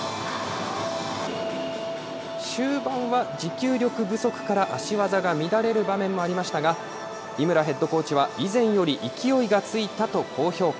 終盤は持久力不足から足技が乱れる場面もありましたが、井村ヘッドコーチは、以前より勢いがついたと高評価。